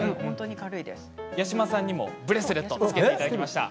八嶋さんはブレスレットをつけていただきました。